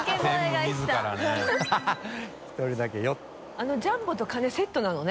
あの「ジャンボ」と鐘セットなのね。